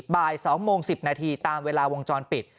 บ่าย๒โมง๑๐นาทีตามเวลาวงจรปิด